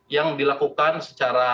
yang dilakukan secara